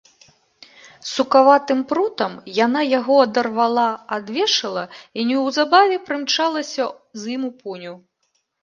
Сукаватым прутам яна яго адарвала ад вешала і неўзабаве прымчалася з ім у пуню.